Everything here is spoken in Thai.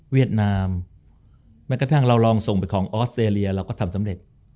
นามแม้กระทั่งเราลองส่งไปของออสเตรเลียเราก็ทำสำเร็จ